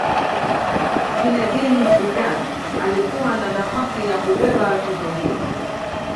zinedine zidane alikuwa na nafasi ya kubeba tuzo hiyo